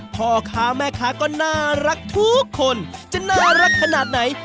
พ่อค้าแม่ค้าก็น่ารักทุกคนจะน่ารักขนาดไหน